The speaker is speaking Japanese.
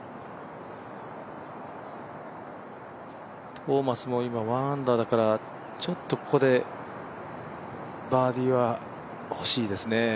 トーマスも１アンダーだからちょっとここでバーディーはほしいですね。